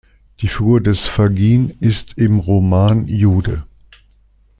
Die Figur des Fagin ist im Roman Jude.